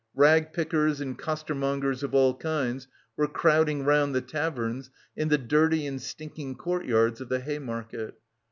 Rag pickers and costermongers of all kinds were crowding round the taverns in the dirty and stinking courtyards of the Hay Market.